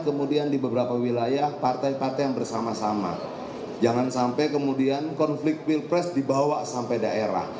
kemudian di beberapa wilayah